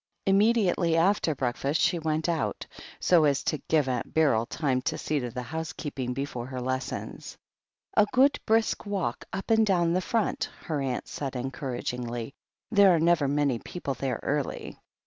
Immediately after breakfast she went out, so as to give Aunt Beryl time to see to the housekeeping before her lessons. "A good brisk walk up and down the Front," her aunt said encouragingly. "There are never many people there early."